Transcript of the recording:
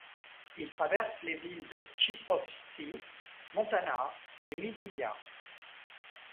Il traverse les villes de Tchiprovtsi, Montana et Miziya.